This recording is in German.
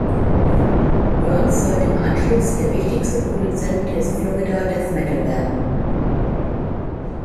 Burns sollte im Anschluss der wichtigste Produzent des Florida Death Metal werden.